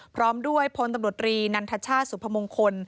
พร้อมด้วยพลตำรวจรีนันทชาติสุพมงคล